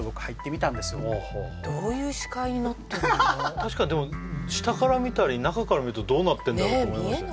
確かにでも下から見たり中から見るとどうなってんだろうと思いますよね